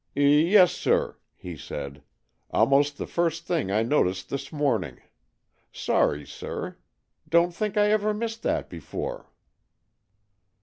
''Yes, sir," he said. "Almost the first thing I noticed this morning. Sorry, sir. Don't think I ever missed that before."